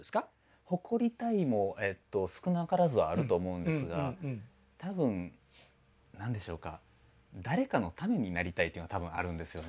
誇りたいも少なからずはあると思うんですが多分何でしょうか誰かのためになりたいというのが多分あるんですよね。